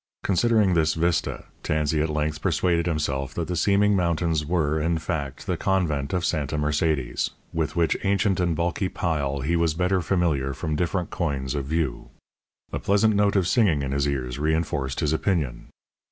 Considering this vista, Tansey at length persuaded himself that the seeming mountains were, in fact, the convent of Santa Mercedes, with which ancient and bulky pile he was better familiar from different coigns of view. A pleasant note of singing in his ears reinforced his opinion.